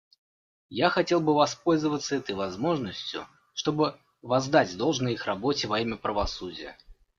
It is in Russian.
Я хотел бы воспользоваться этой возможностью, чтобы воздать должное их работе во имя правосудия.